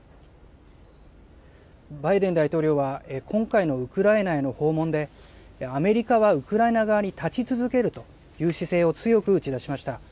バイデン大統領は、今回のウクライナへの訪問で、アメリカはウクライナ側に立ち続けるという姿勢を強く打ち出しました。